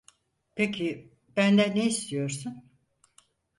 Peki benden ne istiyorsun?